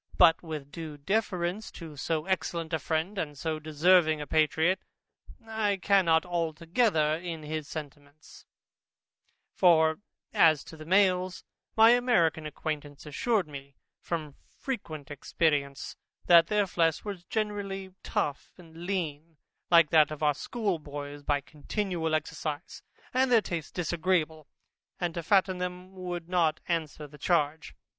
But with due deference to so excellent a friend, and so deserving a patriot, I cannot be altogether in his sentiments; for as to the males, my American acquaintance assured me from frequent experience, that their flesh was generally tough and lean, like that of our schoolboys, by continual exercise, and their taste disagreeable, and to fatten them would not answer the charge.